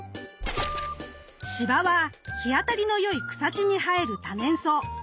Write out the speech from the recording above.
⁉シバは日当たりの良い草地に生える多年草。